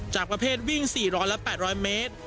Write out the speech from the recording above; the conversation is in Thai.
จากประเภทวิ่ง๔๐๐และ๘๐๐เมตร